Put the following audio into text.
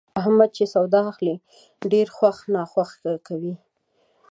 احمد چې سودا اخلي، ډېر خوښ ناخوښ کوي.